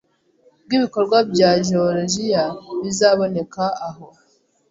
bwibikorwa bya geologiya bizaboneka aho